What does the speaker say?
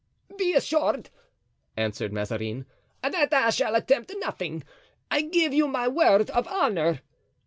"Be assured," answered Mazarin, "that I shall attempt nothing; I give you my word of honor."